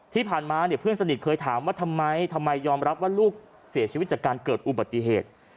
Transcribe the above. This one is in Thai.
ที่ผ่านมาเนี่ยเพื่อนสนิทเคยถามว่าทำไมทำไมยอมรับว่าลูกเสียชีวิตจากการเกิดอุบัติเหตุ